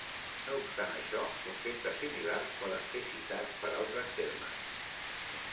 No obstant això, conceptes similars poden ser citats per altres termes.